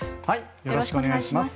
よろしくお願いします。